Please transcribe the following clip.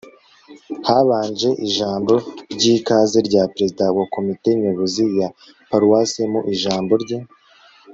habanje ijambo ry'ikaze rya perezida wa komite nyobozi ya paruwasi, mu ijambo rye